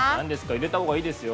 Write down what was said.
入れた方がいいですよ。